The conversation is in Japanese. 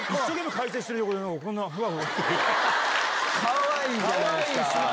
かわいいじゃないですか！